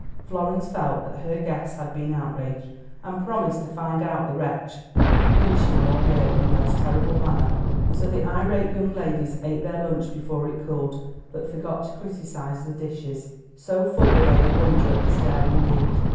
Florence felt that her guests had been outraged, and promised to find out the wretch, and punish him or her in the most terrible manner. So the irate young ladies ate their lunch before it cooled, but forgot to criticise the dishes, so full were they of wonder at this daring deed.